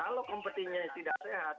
kalau kompetisinya tidak sehat